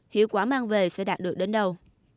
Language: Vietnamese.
hiếu quả mang về sẽ đạt được đến đâu